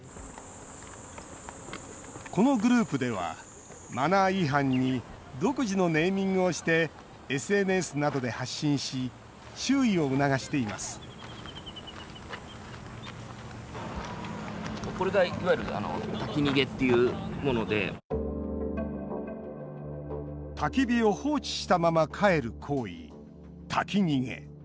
このグループではマナー違反に独自のネーミングをしてＳＮＳなどで発信し注意を促していますたき火を放置したまま帰る行為たき逃げ。